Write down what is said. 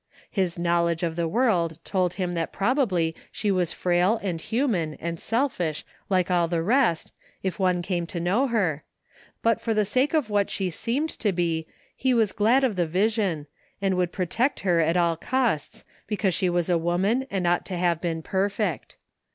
His knowledge of the world told him that probably she was frail and human and selfish like all the rest if one came to know her, but for the sake of what she seemed to be he was glad of 10 THE FINDING OF JASPER HOLT the vision, and would protect her at all costs because she was a woman and ought to have been perfect.